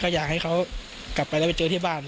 อยากให้เขากลับไปแล้วไปเจอที่บ้าน